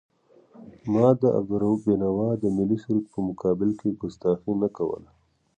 ما د عبدالرؤف بېنوا د ملي سرود په مقابل کې کستاخي نه کوله.